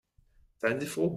Seien Sie froh.